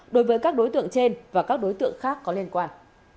đối với các đối tượng trên và các đối tượng khác có liên quan